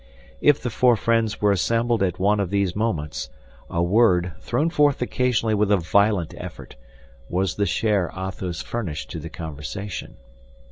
If the four friends were assembled at one of these moments, a word, thrown forth occasionally with a violent effort, was the share Athos furnished to the conversation.